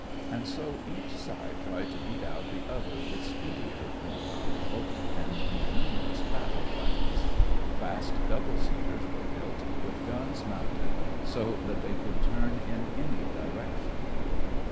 And so each side tried to beat out the other with speedier, more powerful, and more numerous battle planes. Fast double seaters were built with guns mounted so that they could turn in any direction.